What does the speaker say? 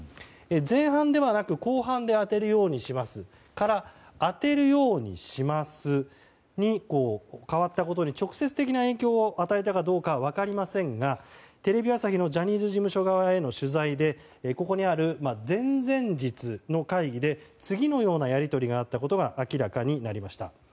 前半ではなく後半で当てるようにしますから当てるようにしますに変わったことに直接的な影響を与えたかどうか分かりませんがテレビ朝日のジャニーズ事務所側への取材でここにある、前々日の会議で次のようなやり取りがあったことが明らかになりました。